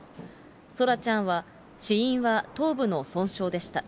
そらちゃんは死因は頭部の損傷でした。